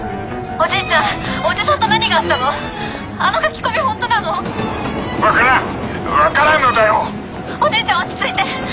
おじいちゃん落ち着いて！